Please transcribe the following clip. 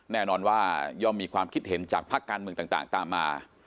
แน่นอนว่าย่อมมีความคิดเห็นจากภาคการเมืองต่างตามมา